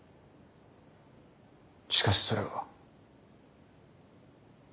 しかしそれは。